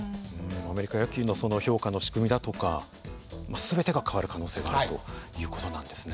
アメリカ野球のその評価の仕組みだとか全てが変わる可能性があるという事なんですね。